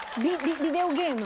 ビデオゲーム。